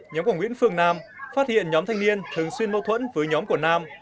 nhóm của nguyễn phương nam phát hiện nhóm thanh niên thường xuyên mâu thuẫn với nhóm của nam